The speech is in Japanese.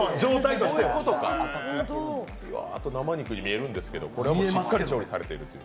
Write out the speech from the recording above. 生肉に見えるんですけどしっかり調理されていると。